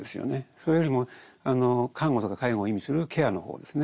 それよりも看護とか介護を意味するケアの方ですね